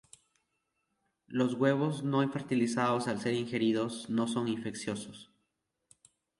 Los huevos no fertilizados al ser ingeridos, no son infecciosos.